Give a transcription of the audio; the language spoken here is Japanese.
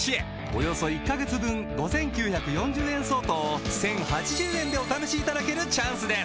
およそ１カ月分５，９４０円相当を１，０８０円でお試しいただけるチャンスです